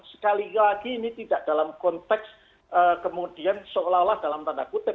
sekali lagi ini tidak dalam konteks kemudian seolah olah dalam tanda kutip